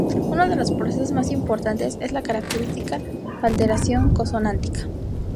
Uno de los procesos más importantes es la característica alteración consonántica.